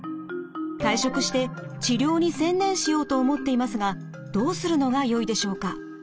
退職して治療に専念しようと思っていますがどうするのがよいでしょうか？」。